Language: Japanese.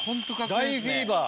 大フィーバー！